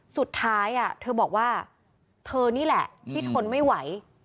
สุดท้ายเธอบอกว่าเธอนี่แหละที่ทนไม่ไหว